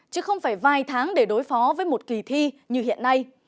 chứ không phải vài tháng để đối phó với một kỳ thi như hiện nay